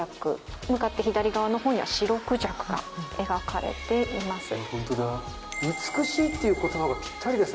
向かって左側のほうには白孔雀が描かれています。